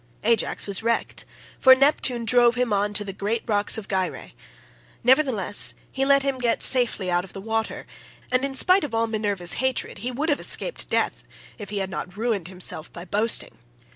Ajax was wrecked, for Neptune drove him on to the great rocks of Gyrae; nevertheless, he let him get safe out of the water, and in spite of all Minerva's hatred he would have escaped death, if he had not ruined himself by boasting.